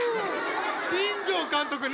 新庄監督ね。